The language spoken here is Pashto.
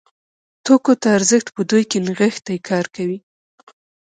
توکو ته ارزښت په دوی کې نغښتی کار ورکوي.